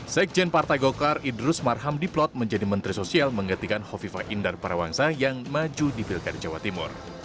sekjen partai golkar idrus marham diplot menjadi menteri sosial menggantikan hovifah indar parawangsa yang maju di pilkada jawa timur